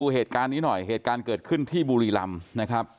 เหตุการณ์นี้หน่อยเหตุการณ์เกิดขึ้นที่บุรีรำนะครับ